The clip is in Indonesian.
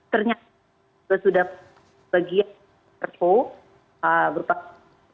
ternyata sudah bagian perpu berpaksa